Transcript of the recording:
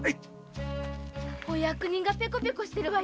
お役人がペコペコしてるわ。